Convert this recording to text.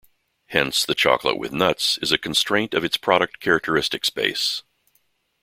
Hence, the chocolate with nuts is a constraint of its product characteristic space.